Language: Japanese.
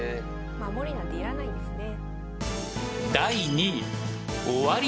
守りなんていらないんですね。